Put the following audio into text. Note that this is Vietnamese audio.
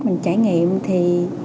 mình trải nghiệm thì